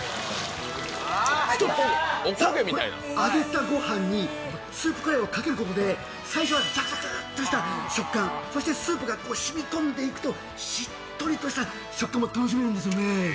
ストップ、これ揚げたごはんにスープカレーをかけることで最初はザクザクとした食感、そしてスープが染み込んでいくとしっとりとした食感も楽しめるんですよね。